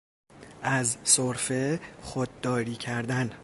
از سرفه خود داری کردن